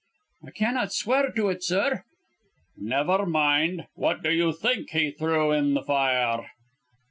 "I cannot swear to it, sir " "Never mind. What do you think he threw in the fire?"